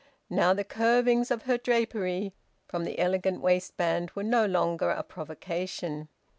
Now, the curvings of her drapery from the elegant waistband were no longer a provocation.